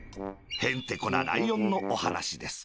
へんてこなライオンのおはなしです